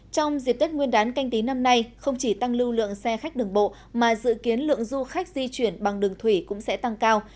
trong dịp tết nguyên đán canh tí năm nay không chỉ tăng lưu lượng xe khách đường bộ mà dự kiến lượng du khách di chuyển bằng đường thủy cũng sẽ tăng cao